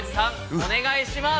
お願いします。